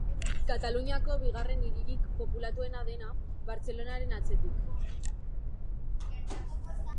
Kataluniako bigarren hiririk populatuena dena, Bartzelonaren atzetik.